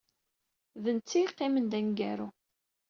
D netta ay yeqqimen d aneggaru.